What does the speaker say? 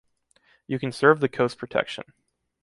You can serve the coast protection.